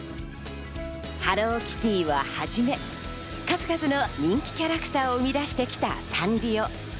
ハローキティをはじめ、数々の人気キャラクターを生み出してきたサンリオ。